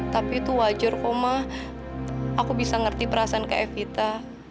tapi itu wajar kok ma aku bisa ngerti perasaan kak evita